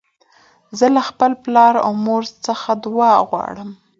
زه له خپل پلار او مور څخه دؤعا غواړم.